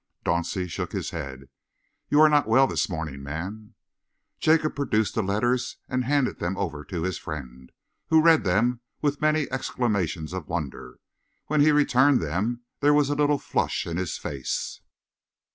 Dauncey shook his head. "You are not well this morning, man." Jacob produced the letters and handed them over to his friend, who read them with many exclamations of wonder. When he returned them, there was a little flush in his face.